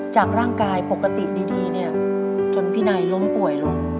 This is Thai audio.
จากร่างกายปกติดีเนี่ยจนพี่นายล้มป่วยลง